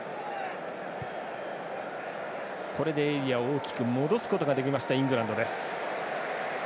これでエリアを大きく戻すことができましたイングランド。